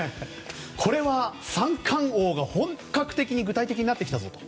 これは、三冠王が本格的に具体的になってきたと。